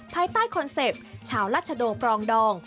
ภายใต้คอนเซ็ปต์ชาวรัชโงปรองดอง